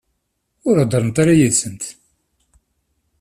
Ur heddṛemt ara yid-sent.